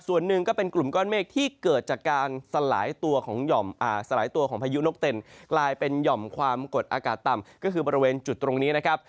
ส่วนหนึ่งก็เป็นกลุ่มก้อนเมฆที่เกิดจากการสลายตัวของสลายตัวของพายุนกเต็นกลายเป็นหย่อมความกดอากาศต่ำก็คือบริเวณจุดตรงนี้นะครับ